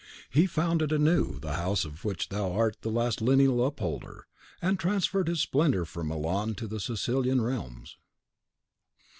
He founded anew the house of which thou art the last lineal upholder, and transferred his splendour from Milan to the Sicilian realms.